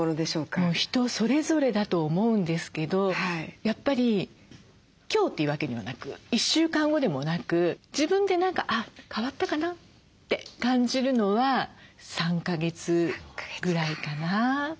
人それぞれだと思うんですけどやっぱり今日というわけにはなく１週間後でもなく自分で何かあっ変わったかなって感じるのは３か月ぐらいかな。